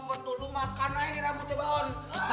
betul lu makan aja ini rambutnya baon